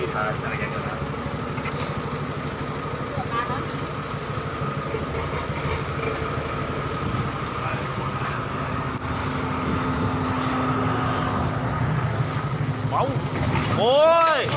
โห้ย